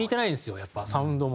やっぱサウンドも。